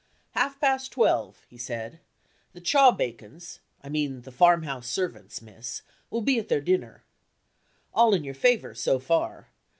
"Half past twelve," he said, "the Chawbacons I mean the farmhouse servants, miss will be at their dinner. All in your favor, so far.